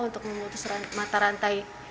untuk memutus mata rantai